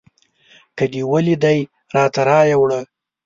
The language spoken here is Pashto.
که دې ولیدی راته رایې وړه